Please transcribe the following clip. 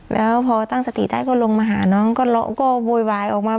แล้วพอตั้งสติได้ก็ลงมาหาน้องก็โวยวายออกมา